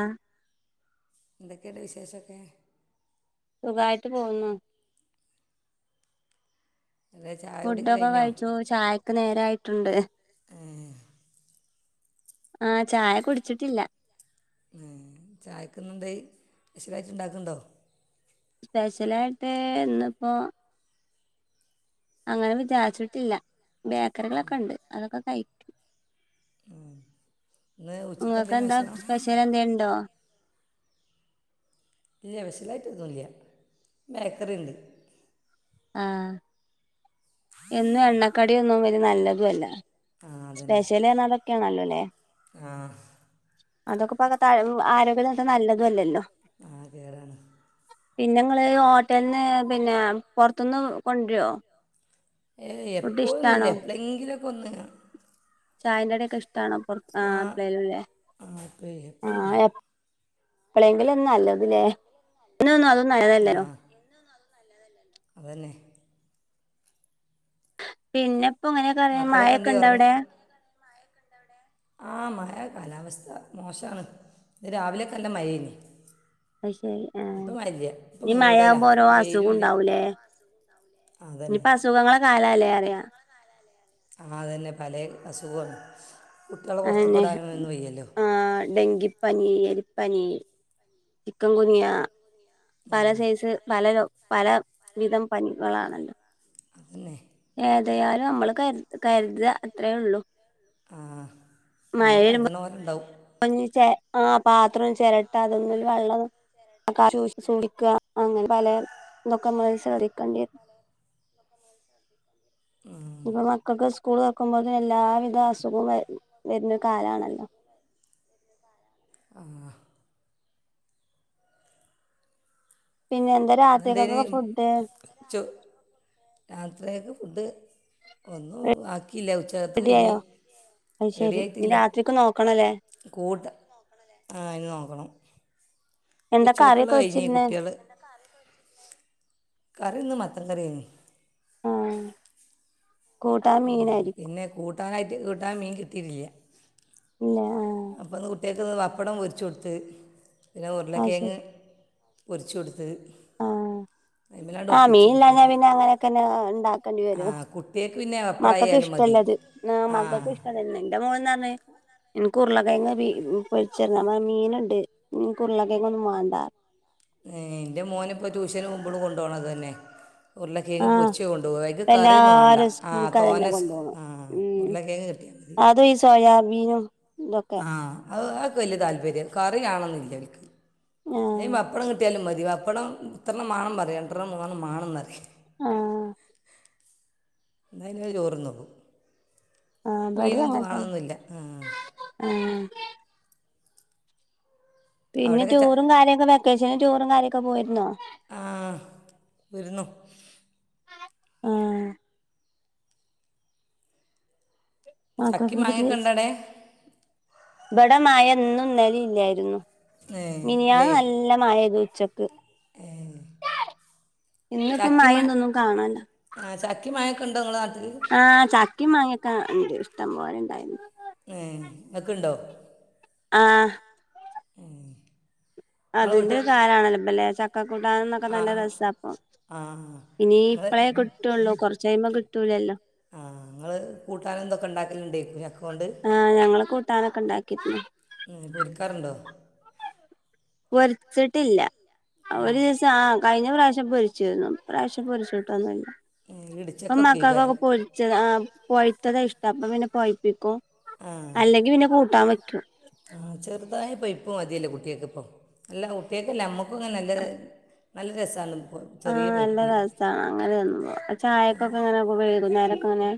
ആഹ ന്തൊക്കെ ണ്ട് വിശേഷം ഒക്കെ സുഖായിട്ട് പോകുന്നു ഫുഡ ഒക്കെ കഴിച്ചു ചായ ഒക്കെ നേരയി ട്ടണ്ട് ആഹ ചായ കുടിച്ചിട്ടില്ല ഉം ചായക്ക് ന്ന് ന്തെ സ്പെഷ്യൽ ആയിട്ട് ണ്ടാക്കണ്ടോ സ്പെഷ്യലായിട്ട് ഇന്നിപ്പോ അങ്ങനെ വിചാരിച്ചിട്ടില്ല ബേക്കറികളൊക്കെ ഉണ്ട് അതൊക്കെ ആയിട്ട ഉങ്ങൾക്ക് എന്താ സ്പെഷ്യൽ എന്താ ഉണ്ടോ ല്ല സ്പെഷ്യൽ ആയിട്ടൊന്നുല്ല ബേക്കറി ക്കെണ്ട് ആഹ എന്ന എണ്ണക്കാട ഒന്നും വ നല്ലത അല്ല സ്പെഷ്യൽ അതൊക്കെയാണല്ലോല്ലേ അതൊക്കെ പക ആരോഗ്യംക്കെ നല്ലതല്ലല്ലോ ആ കേറാണ് പിന്നെ ങ്ങള് ഓട്ടൽന്ന് പിന്നെ പുറത്തുന്ന് കൊണ്ടുവരോ ഏ എപ്പോഴൊന്നുമില്ല എപ്പോഴെങ്കിലുംക്കെ ഒന്ന് ചായൻന്റെ ടി കെ ഷ് [unintelligible] എ പ്ലെങ്കിലൊ നല്ലത്ലേ ഇന്നൊന്നും അത [unintelligible] നേരല്ലെലൊ പിന്നെ. പ്പൊ ഇങ്ങനെ കൊറേ മായൊക്കണ്ടവിടെ? ആ മഴ കാലാവസ്ഥ മോശാണ് ന്ന് രാവിലെക്കല്ല മയേനി. അയ്ശരി ആഹ് ഇനി മയാവ്മ്പോ ഓരോ അസുഖുണ്ടാവുലേ ഇനിപ്പൊ അസുഖങ്ങളെ കാലാലേ [unintelligible] ആഹ് ആതെലെ പലേ അസുഖോണ് അഎന്നെ ആഹ് ഡെങ്കി പനീ എലിപനി ചിക്കങ്കുനിയ പല സൈസ് പല രൊ പല വിധം പനികളാണല്ലോ അതെന്നെ ഏതയാലും നമ്മള് കര് കര്ത അത്രേ ഒള്ളു ആഹ് ഞമ്മള് കരുത്ണ പോലെ ഇണ്ടാവും കൊഞ്ഞ് ചെ ആഹ് പാത്രം ചെരട്ട അതൊന്ന്ലും വള്ളം ക്ക [unintelligible] ശൂഷിക്ക [unintelligible] അങ്ങനെ പലെ ഇതൊക്കെ നമ്മൾ ശ്രദ്ധിക്കണ്ട്യെ ഇഞ്ഞിപ്പ മക്കക്ക് സ്കൂള് തൊർക്കുമ്പോത്തിന് എല്ലാ വിധ അസുഖോം വെ വെര്നൊ കാലാണല്ലോ ആഹ് പിന്നെ എന്താ രാത്രിക്കക്കൊക്കെ ഫുഡ്ഡ്? ഡ്ഡ് ഒന്നും ആക്കീല്ല ഉച്ചക്കത്ത കയിഞ്ഞ്. റെഡിയായിട്ടില്ല കൂട്ട ആ അയ്ന് നോക്കണം. എന്താ കറിയൊക്കെ വെച്ചിര്ന്നേ? അത് ഇന്ന് മത്തൻ കറിയെനീ ആ കൂട്ടാൻ മീനായിരി കൂട്ടാൻ മീൻ കിട്ടിട്ടില്ല. അപ്പൊന്ന് കുട്ട്യാ ക്ക് ഇന്ന് പപ്പടം പൊരിച്ചൊട്ത്ത്. പിന്ന ഉരുളക്കേങ്ങ് പൊരിച്ചൊട്ത്ത്. ആ ആ മീനില്ലാഞ്ഞാ പിന്ന അങ്ങനെക്കെന്നെ ഇണ്ടാക്കണ്ടി വരും മക്കക്ക് ഇഷ്ടല്ലത് ആ മക്കക്ക് ഇഷ്ടംതന്നെ ഇന്റെ മോൻ ഇന്നർഞ്ഞ് ഇൻക്ക് ഉർളക്കേങ്ങ് ബീ പൊര്ച്ചെര്ണം പ മീനിണ്ട് ഇഞ്ഞിൻക്ക് ഉര്ളക്കേങ്ങൊന്നും ഒന്നും വാണ്ടാ ഏ ഇന്റെ മോനിപ്പോ ട്യൂഷനോവുമ്പളും കൊണ്ടോണതെന്നെ ഉർളക്കേങ്ങ് പൊരിച്ച് കൊണ്ടു പോക അയ്ക്ക് കറിയൊന്നും വേണ്ട ആ തോനസ് ആ ഉരുളക്കേങ്ങ് കിട്ടിയാൽ മതി ആ അ അക്ക് വല്ല്യ താല്പര്യം കറി വാണെന്നില്ല ഓൽക്ക് അയ് പപ്പടം കിട്ടിയാലും മ തിവപ്പടം ഇത്രണ്ണം മാണം പറയും രണ്ടണ്ണം മൂന്നണ്ണം മാണം പറയും ആ ന്നെങ്ക്‌ലേ ചോറ്ന്നൊള്ളു മീനെന്തു വേണൊന്നില്ല ഉം പിന്നെ ടൂറും കാര്യക്കെ വെക്കേ ന് ടൂറും കാര്യൊക്കെ പോയിര്ന്നോ ആ പോയ്ര്ന്നു ആ ചക്കിം മാങ്ങേക്കെ ഇണ്ടൊടേ ബടെ മഴ ന്നും ന്നെലിം ല്ലായിരുന്നു മിനിയാന്ന് നല്ല മഴയ്തീ ച്ചക്ക് ഇന്ന്പ്പം മയിം തൊന്നും കാണാല്ല ണ്ടോങ്ങള ആ ചക്കിം മാങ്ങക്കെ ണ്ട് ട്ടം പോലെണ്ടായിണ് ഏ ങ്ങക്ക് ണ്ടോ ആ അതിന്റെ കാലാണല്ലോപ്പലെ ചക്ക കൂട്ടാനും ന്നൊക്കെ നല്ല രസാപ്പംഇനി ഇപ്പഴേ കിട്ടുള്ളൂ കുറച്ച കഴിയുമ്പോ കി ട്ടൂലല്ലോ ആ ങ്ങള് കൂട്ടാനുംതൊക്കെ ണ്ടാക്കല്ണ്ടേകുലെ ചക്കൊണ്ട് ഉം പൊരിക്കാറ്ണ്ടോ പൊര്ച്ചിട്ടില്ല ഒരു ദിവസം ആ കഴിഞ്ഞ പ്രാവശ്യം പൊരി ര്ന്നു ഇപ്രാവശ്യം പൊരിച്ചോട്ടുന്നുല്ല പ്പം മക്കക്കൊക്കെ പൊരിച്ചത് ആ പൊ ത്തതാ ഇഷ്ടം അപ്പം പിന്നെ പഴ്പ്പിക്കും ആ ആ ചെറുതായി പെ പ്പോ മതിയല്ലേ കുട്ടിയേക്ക്പ്പം അല്ല കുട്ട്യേക്കല്ല നമ്മക് [unintelligible] നല്ലത് നല്ല രസാണ്. ആ നല്ല രസാണ്, അങ്ങനെ [unintelligible] ചായക്കൊക്കെ എങ്ങനെ വൈകുന്നേരം അങ്ങനെ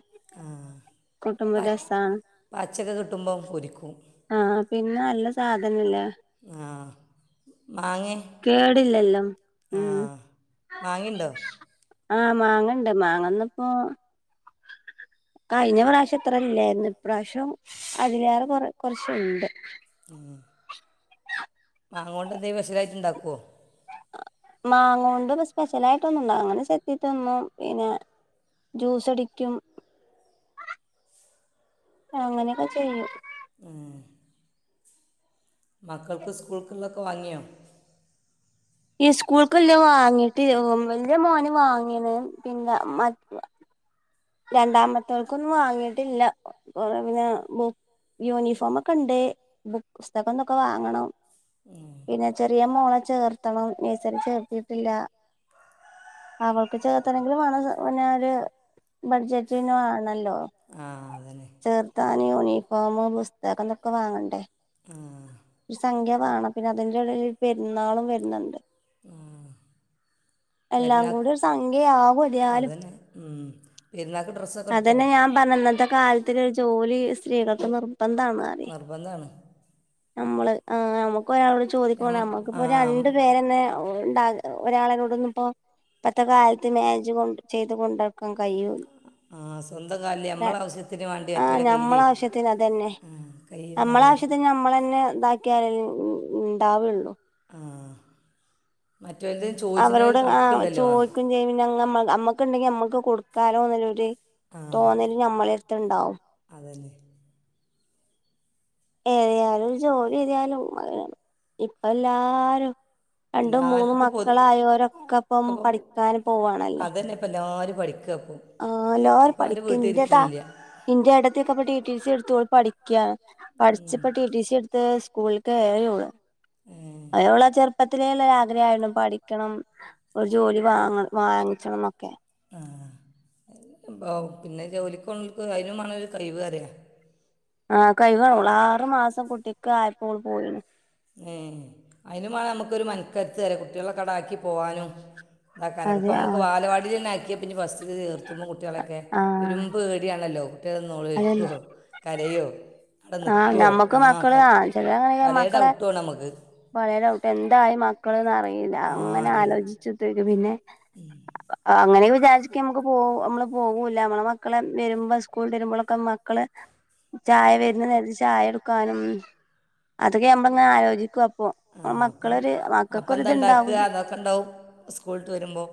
കുട്ടുമ്പ രസാണ്, ആ പിന്നെ നല്ല സാധനല്ലേ. കേടില്ലല്ലോ മ് ആ മാങ്ങണ്ട് മാങ്ങന്നപ്പോ കഴിഞ്ഞ പ്രാവശ്യം ഇത്ര ഇല്ലായിരുന്നു, ഇപ്രാവശ്യം അതിലേറെ കൊറ കൊറച്ചുണ്ട്. ഉം മാങ്ങോണ്ട് എന്തേലും സ്പെഷലായിട്ട് ഇണ്ടാക്കോ? മാങ്ങ കൊണ്ട് ത് സ്പെഷ്യലായിട്ടൊന്നും ണ്ട അങ്ങനെ സെത്തിട്ടൊന്നും പിന്നെ ജ്യൂസ് അടിക്കും അങ്ങനെയൊക്കെ ചെയ്യും. ഉം മക്കക്ക് സ്കൂൾക്കൊല്ല വാങ്ങിയോ? ഈ സ്കൂൾക്കല്ല വാങ്ങിട്ട് [unintelligible] എന്റെ മോന് വാങ്ങിയണ് പിന്ന മറ്റ് രണ്ടാമത്തേൾക്കൊന്നും വാങ്ങിയിട്ടില്ല, പിന്നെ ബുക് യൂണിഫോമൊക്കെ ഇണ്ട്, ബുക് പുസ്തകൊന്തൊക്കെ വാങ്ങണം. പിന്നെ ചെറിയ മോളെ ചേർത്തണം, നഴ്സറി ചേർത്തിട്ടില്ല, അവൾക്ക് ചേർത്തണമെങ്കിലും വേണം ത് പിന്നെ ഒരു ബഡ്ജറ്റിനാണല്ലോ ആ അതന്നെ [unintelligible] സ് [unintelligible] വാങ്ങണ്ടേ ഒരു സംഖ്യ വേണം പിന്നെ അതിന്റെ എടയിൽ പെരുന്നാളും വരുന്നുണ്ട്. എല്ലാം കൂടി ഒരു സംഖ്യയാവും ഇതിനാലും. അതന്നെ ഞാൻ പറഞ്ഞ ഇന്നത്തെ കാലത്തില് ജോലി സ്ത്രീകൾക്ക് നിർ നിർബന്ധാണ്. നമ്മള് ആ നമുക് ഒരാളോട് ചോദി [unintelligible] നമ്മുക്കിപ്പോ രണ്ടു പേരന്നെ ഉണ്ടാ ഒരാള് എന്നോട് ഇന്ന് ഇപ്പോ ഇപ്പത്തെ കാലത്ത് മേജ് കൊണ് ചെയ്ത് കൊണ്ടക്കാക [unintelligible] ആ നമ്മള ആവശ്യത്തിന് അതന്നെ നമ്മള ആവശ്യത്തിന് നമ്മൾ തന്നെ ഇതാക് കേ ഇണ് ഇണ് ഇണ് ഇണ്ടാവയുള്ളൂ. ആ മ അവരോട് ആ ചോദിക്കും ചെയ്യന്നണ്ട് നമ്മ ഒക്കെണ്ടെിൽ നമ്മുക്ക് കൊടുക്കാലോ എന്നുള്ളൊരു തോന്നല് ഞമ്മളെടുത്തുണ്ടാവും. ഏതായാലും ജോലി ഏതായാലും മ ഇപ്പ എല്ലാരും രണ്ടും മൂന്നും മക്കളായവരൊക്കെ ഇപ്പം പഠിക്കാന് പോവ പഠിക്കാ ആഹ് എല്ലോർ പഠിക്ക ഇതാ ഇന്റെ ഇടത്തൊക്കെ [unintelligible] ഫീസൊടുത്തോൾ പഠിക്കാണ്. പഠിച്ചപ്പാ ട്ടി ടി സി എടുത്ത്. സ്കൂൾക്ക് [unintelligible] അയോള ചെറുപ്പത്തിലേയുള്ള ആഗ്രഹായിരുന്നു. പഠിക്കണം ഒരു ജോലി വാങ്ങ വാങ്ങിച്ചണന്നക്കെ. ആ ഓ പിന്നെ ജോലിക്ക് പോന്നവർക്ക് അതിനുവേണം ഒരു കഴിവ് വേറെയാ. ആഹ് കയിവ് ഓള് ആറ് മാസം ഇപ്പം കുട്ടിക്ക് ആയപ്പോ ഓള് പോയി ന്. ഏഹ് അയിനും വേണം നമുക്കൊരു മനക്കരുത്തല്ലേ കുട്ടികളെക്കെ ആടാക്കി പോകാനും താക്കാന ഇപ്പ നമുക്ക് വാലവാടിൽ തന്നൊക്കിയ ഇനി ഫസ്റ്റിനു ചേർ കുത്തുമ്പ കുട്ടികളൊക്കെ വെരും പേടിയാണല്ലോ [unintelligible] കരയോ? ആഹ് നമ്മുക്ക് മക്കളെ ആ ചില [unintelligible] മക്കളെ ട്ടോ നമുക്ക് പലേ ഡൗട്ട് എന്തായി മക്കൾന്നറി ഇത് അങ്ങനെ ആലോചിച്ചത്തേക്ക് പിന്നെ ആ അങ്ങനെ പ വിചാരിച്ക് നമക്ക് പോ നമ്മള് പോകൂല്ല നമ്മളെ മക്കള് വരുമ്പോ സ്കൂളീന്ന് വരുമ്പോഴൊക്കെ മക്കള് ചായ വരുന്ന നേരത്ത് ചായ കൊടുക്കാനും അതൊക്കെ നമ്മളങ്ങനെ ആലോചി [unintelligible] ആ അപ്പം അപ്പ എന്താ ഉണ്ടാക്കുക എതൊക്കെ ഉണ്ടാവും സ്കൂളിട്ട് വരുമ്പോ?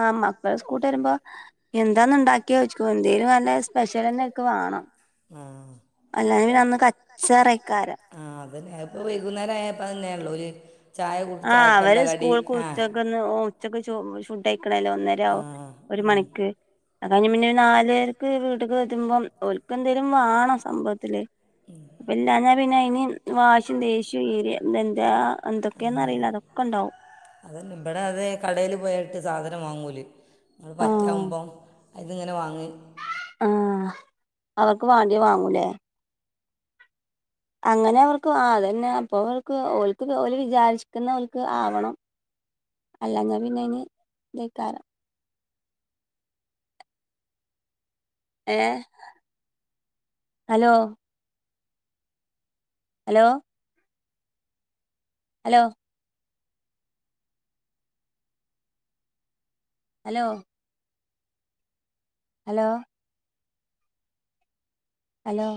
ആ മക്കള് സ്കൂട്ടു വരുമ്പോ എന്താന്നാ ഉണ്ടാക്കിയോ ചോയിക്കും എന്തേലും നല്ല സ്പെഷ്യൽ തന്നെയക്കെ വേണം. അല്ല പിന്നെ അന്ന് കച്ചറ ഇക്കാരാ. ഇപ്പ വൈകുന്നേരായപ്പ തന്നെയുള്ളൂലേ? ആ അവര് സ്കൂൾക്ക് ഉച്ചക്കന്ന് ഉച്ചക്ക് ചോ ഫുഡ്ഡയി മക്കളെല്ലാം ഒന്നരയാവും ഒരു മണിക്ക് അയ് കഴിഞ്ഞ് പിന്നെ ഒരു നാലരക്ക് വീട്ട്ക്ക് എത്തുമ്പം ഓൽക്ക് എന്തേലും വാണം സംഭവത്തില് അപ്പം ഇല്ലാഞ്ഞാ പിന്നെ അയിന് വാശിം ദേഷ്യം എരിയ ഇതെന്താ എന്ത ഉം അതല്ല ഇബടെ അത് കടേൽ പോയ സാധനം വാങ്ങൂല് ന പറ്റകുമ്പം അതിങ്ങനെ വാങ്ങി ആ അവർക്ക് വാണ്ടി വാങ്ങൂലേ അങ്ങനെ അവർക്ക് വാ അതന്നെ അപ്പൊ ഇവൽക്ക് ഓൽക്ക് ഓല് വിചാര്ച്ച്ക്ക്ന്ന ഓൽക്ക് ആവണം. അല്ലാഞ്ഞ പിന്നെ അയിന് ഇതെക്കാരം. ഏ hello hello hello hello hello hello